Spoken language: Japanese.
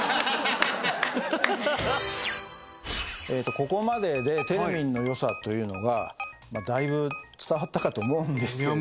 ここまででテルミンの良さというのがだいぶ伝わったかと思うんですけれども。